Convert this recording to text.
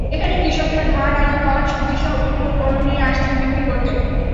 এখানে কৃষকেরা ধান, আলু, পাট, সবজিসহ বিভিন্ন পণ্য নিয়ে আসতেন বিক্রি করতে।